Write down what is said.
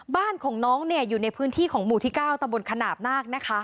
บ้านของน้องเนี่ยอยู่ในพื้นที่ของหมู่ที่๙ตะบนขนาดนาคนะคะ